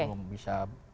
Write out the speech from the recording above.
yang belum bisa